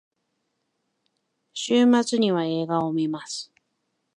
週末には映画を観ます。